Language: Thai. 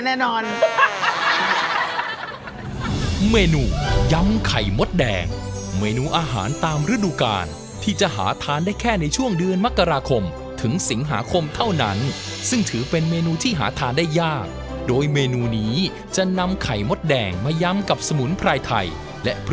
แน่แน่แน่แน่แน่แน่แน่แน่แน่แน่แน่แน่แน่แน่แน่แน่แน่แน่แน่แน่แน่แน่แน่แน่แน่แน่แน่แน่แน่แน่แน่แน่แน่แน่แน่แน่แน่แ